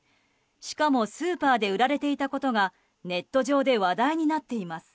しかも、スーパーで売られていたことがネット上で話題になっています。